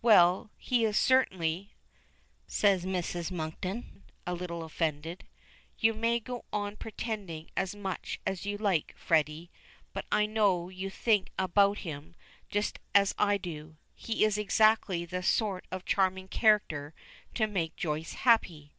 "Well, he is, certainly," says Mrs. Monkton, a little offended. "You may go on pretending as much as you like, Freddy, but I know you think about him just as I do. He is exactly the sort of charming character to make Joyce happy."